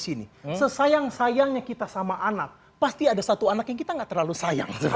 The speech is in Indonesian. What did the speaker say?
sini sesayang sayangnya kita sama anak pasti ada satu anak yang kita enggak terlalu sayang